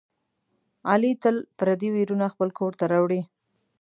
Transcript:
علي تل پردي ویرونه خپل کورته راوړي.